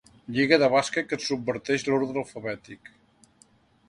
Lliga de bàsquet que subverteix l'ordre alfabètic.